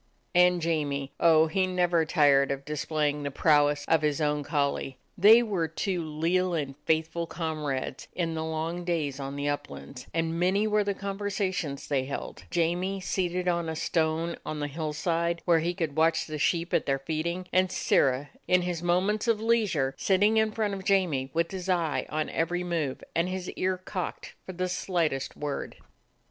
And Jamie — oh, he was never tired of dis playing the prowess of his own collie. They were two leal and faithful comrades in the long days on the uplands, and many were the conversations they held; Jamie seated on a stone on the hillside, where he could watch the sheep at their feeding, and Sirrah, in his mo ments of leisure, sitting in front of Jamie, with his eye on every move and his ear cocked for the slightest word.